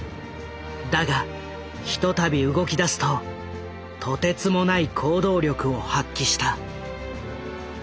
だが一たび動きだすととてつもない行動力を発揮した。